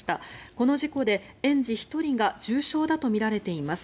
この事故で園児１人が重傷だとみられています。